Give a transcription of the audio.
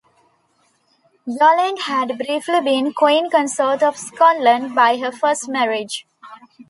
Yolande had briefly been Queen Consort of Scotland by her first marriage.